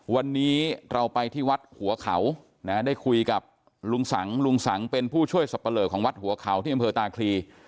วันนี้เราไปที่วัดหัวเขานะได้คุยกับลุงสังลุงสังเป็นผู้ช่วยสับปะเลอของวัดหัวเขาที่อำเภอตาคลี